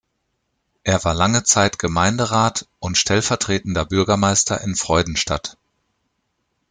Er war lange Zeit Gemeinderat und stellvertretender Bürgermeister in Freudenstadt.